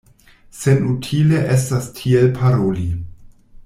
Senutile estas tiel paroli.